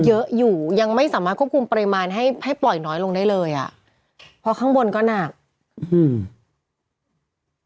เยอะอยู่ยังไม่สามารถควบคุมปริมาณให้ให้ปล่อยน้อยลงได้เลยอ่ะเพราะข้างบนก็หนักอืม